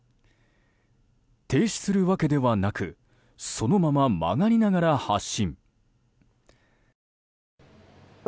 停止するわけではなくそのまま曲がりながら発進。